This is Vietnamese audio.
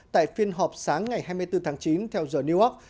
tại phiên họp sáng ngày hai mươi bốn tháng chín theo giờ new york